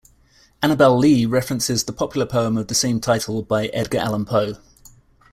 "Annabel Lee" references the popular poem of the same title by Edgar Allan Poe.